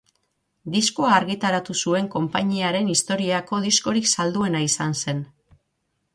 Diskoa argitaratu zuen konpainiaren historiako diskorik salduena izan zen.